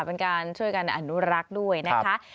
เป็นการช่วยกันอนุรักษ์ด้วยนะคะ